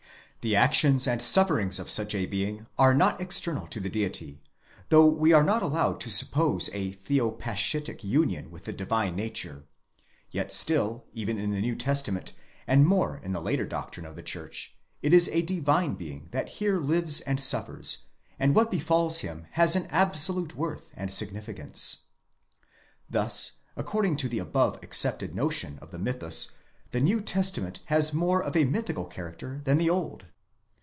The actions and sufferings of such a being are not external to the Deity: though we are not allowed to suppose a ¢/eo paschitic union with the divine nature, yet still, even in the New Testament, and more in the later doctrine of the Church, it is a divine being that here lives and suffers, and what befals him has an absolute worth and significance. 78 INTRODUCTION. § 14. Thus according to the above accepted notion of the mythus, the New Testa 'ment has more of a mythical character than the Old.